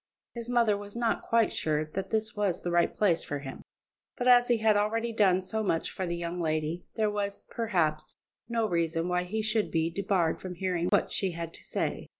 His mother was not quite sure that this was the right place for him, but as he had already done so much for the young lady, there was, perhaps, no reason why he should be debarred from hearing what she had to say.